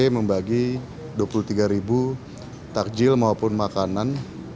membagi dua puluh tiga takjil maupun makanan